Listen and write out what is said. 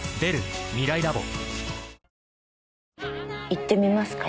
行ってみますか？